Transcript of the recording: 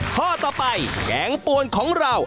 ข้อต่อไปแกงปวนของเรา